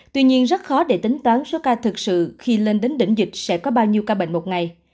tuy nhiên rất khó để tính toán số ca thực sự khi lên đến đỉnh dịch sẽ có bao nhiêu ca bệnh một ngày